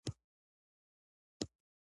هغه له ډېرو فرصتونو څخه محرومیږي.